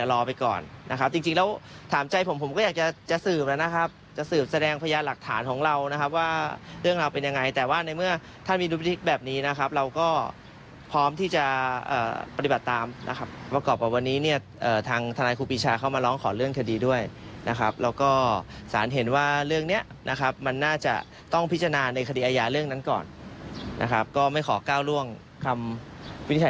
ส่วนหมวดจรูนกได้ยินแล้วนะครับต้องละเอี๊ยดขนาดโชคกรโช่เยอะนะครับ